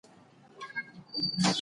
انټرنیټ د کورنۍ د زده کړې کیفیت ښه کوي.